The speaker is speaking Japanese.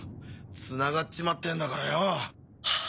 つながっちまってんだからよ！